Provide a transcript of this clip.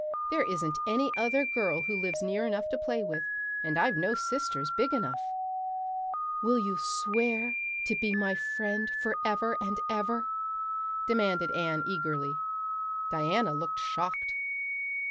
There isn't any other girl who lives near enough to play with, and I've no sisters big enough." "Will you swear to be my friend forever and ever?" demanded Anne eagerly. Diana looked shocked.